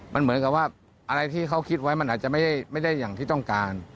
มันเหมือนกับว่าอะไรที่เขาคิดไว้มันอาจจะไม่ได้อย่างที่ต้องการ